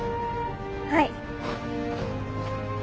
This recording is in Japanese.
はい。